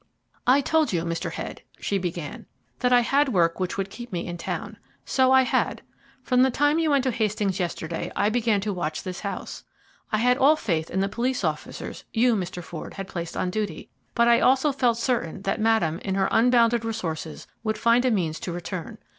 "I told you, Mr. Head," she began, "that I had work which would keep me in town. So I had. From the time you went to Hastings yesterday I began to watch this house. I had all faith in the police officers you, Mr. Ford, had placed on duty, but I also felt certain that Madame, in her unbounded resources, would find a means to return.